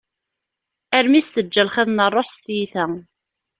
Armi s-teǧǧa lxiḍ n rruḥ s tiyita.